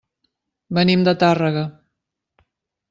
Venim de Tàrrega.